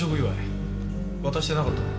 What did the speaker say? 渡してなかったろう？